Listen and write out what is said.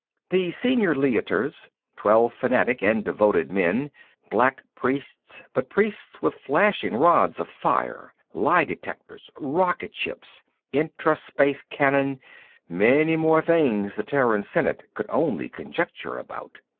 The Senior Leiters, twelve fanatic and devoted men, black priests, but priests with flashing rods of fire, lie detectors, rocket ships, intra space cannon, many more things the Terran Senate could only conjecture about.